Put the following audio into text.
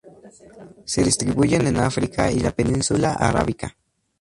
Se distribuyen en África y la Península Arábica.